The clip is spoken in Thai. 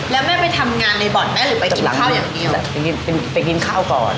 แล้วแม่ไปทำงานในบ่อนแม่หรือไปกับข้าวอย่างเดียวไปกินข้าวก่อน